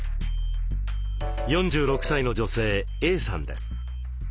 ４６歳の女性Ａさんです。